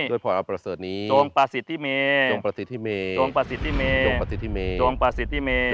จงประสิทธิเมจงประสิทธิเมจงประสิทธิเมจงประสิทธิเมจงประสิทธิเม